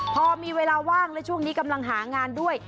พอมีเวลาว่างและช่วงนี้กำลังหางานด้วย